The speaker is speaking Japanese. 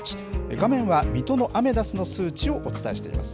画面は水戸のアメダスの数値をお伝えしています。